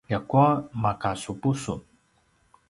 ljakua makasupu sun